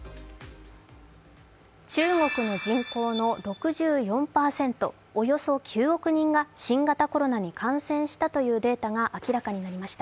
中国の人口の６４％、およそ９億人が新型コロナに感染したというデータが明らかになりました。